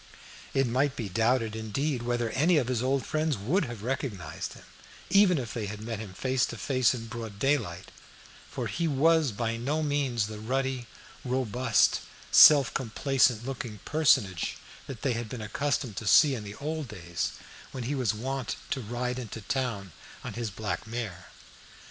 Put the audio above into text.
It might be doubted, indeed, whether any of his old friends would have recognised him, even if they had met him face to face in broad daylight, for he was by no means the ruddy, robust, self complacent looking personage they had been accustomed to see in the old days when he was wont to ride into town on his black mare.